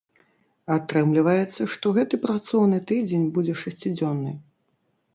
Атрымліваецца, што гэты працоўны тыдзень будзе шасцідзённы.